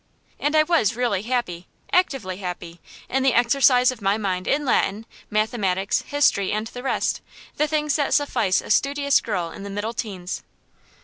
And I was really happy, actively happy, in the exercise of my mind in Latin, mathematics, history, and the rest; the things that suffice a studious girl in the middle teens.